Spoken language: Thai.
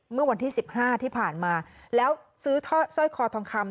เมื่อวันที่๑๕ที่ผ่านมาแล้วซื้อสร้อยคอทองคำ